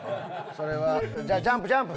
それはジャンプジャンプ！